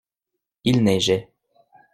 Il neigeait.